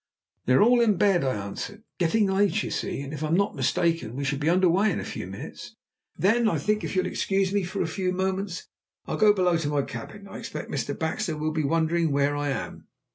"They are all in bed," I answered. "It is getting late, you see, and, if I am not mistaken, we shall be under way in a few minutes." "Then, I think, if you'll excuse me for a few moments, I'll go below to my cabin. I expect Mr. Baxter will be wondering where I am."